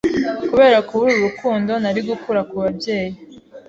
kubera kubura urukundo nari gukura ku babyeyi,